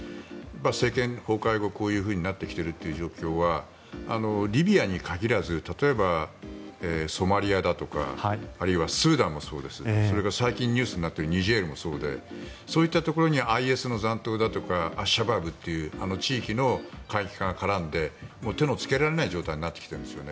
政権崩壊後こういうふうになっているという状況はリビアに限らず例えば、ソマリアだとかあるいはスーダンもそうですし最近ニュースになっているニジェールもそうでそういったところにＩＳの残党だとか過激派が絡んで手がつけられない状態になってきているんです。